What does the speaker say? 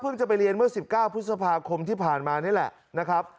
จะไปเรียนเมื่อ๑๙พฤษภาคมที่ผ่านมานี่แหละนะครับ